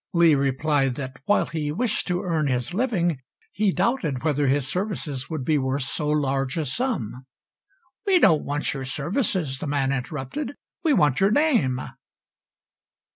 Lee replied that while he wished to earn his living, he doubted whether his services would be worth so large a sum. "We don't want your services," the man interrupted; "we want your name."